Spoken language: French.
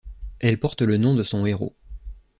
Elle porte le nom de son héros.